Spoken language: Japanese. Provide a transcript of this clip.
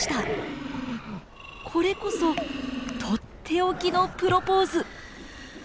これこそとっておきのプロポーズ。